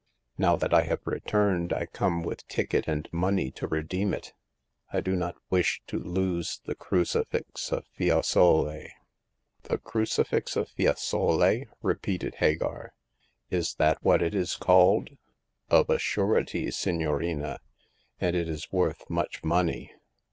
Now that I have returned, I come with ticket and money to redeem it. I do not wish to lose the Crucifix of Fiesole." The Crucifix of Fiesole," repeated Hagar— " is that what it is called ?*'" Of a surety, signorina ; and it is worth much money."